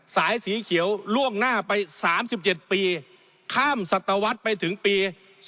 สายสีเขียวล่วงหน้าไป๓๗ปีข้ามศัตวรรษไปถึงปี๒๕๖